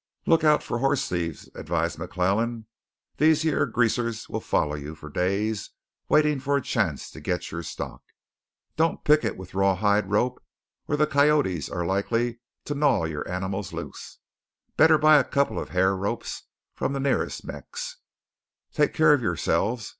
"Look out for hoss thieves," advised McClellan. "These yere Greasers will follow you for days waitin' for a chance to git your stock. Don't picket with rawhide rope or the coyotes are likely to knaw yore animiles loose. Better buy a couple of ha'r ropes from the nearest Mex. Take care of yoreselves.